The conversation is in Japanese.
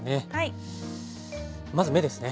まず目ですね。